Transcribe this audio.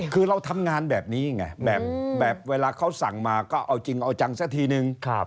คือเราทำงานแบบนี้ไงแบบเวลาเขาสั่งมาก็เอาจริงเอาจังซะทีนึง